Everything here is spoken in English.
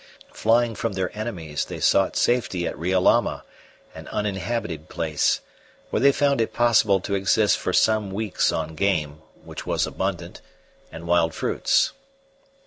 Flying from their enemies, they sought safety at Riolama, an uninhabited place, where they found it possible to exist for some weeks on game, which was abundant, and wild fruits.